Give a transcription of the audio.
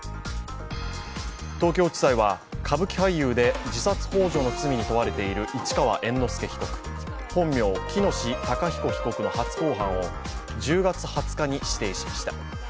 東京地裁は、歌舞伎俳優で自殺ほう助の罪に問われている市川猿之助被告本名・喜熨斗孝彦被告の初公判を１０月２０日に指定しました。